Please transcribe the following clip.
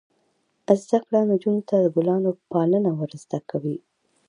زده کړه نجونو ته د ګلانو پالنه ور زده کوي.